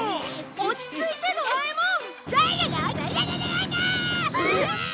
落ち着いてドラえもん！